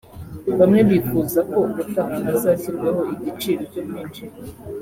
bamwe bifuza ko ubutaha hazashyirwaho igiciro cyo kwinjira